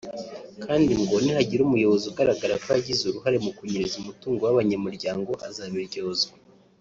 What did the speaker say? kandi ngo nihagira umuyobozi ugaragara ko yagize uruhare mu kunyereza umutungo w’abanyamuryango azabiryozwa